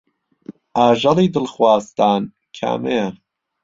ئاژەڵی دڵخوازتان کامەیە؟